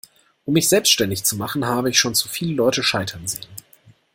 Um mich selbstständig zu machen, habe ich schon zu viele Leute scheitern sehen.